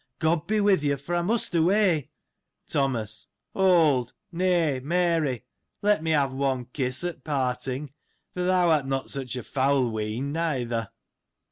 God be with you ! for I must away. Thomas. — Hold !=— Nay — Mary : let me have one kiss at part ing, for thou art not such a foul whean,^ neither.